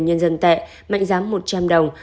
nhân dân tệ mạnh giám một trăm linh đồng